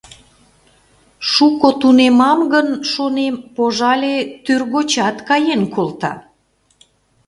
Шуко тунемам гын, шонем, пожале, тӱргочат каен колта.